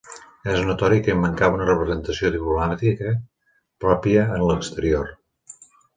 És notori que hi mancava una representació diplomàtica pròpia en l'exterior.